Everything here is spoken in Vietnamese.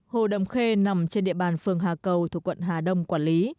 hồ đầm khê nằm trên địa bàn phường hà cầu thuộc quận hà đông quản lý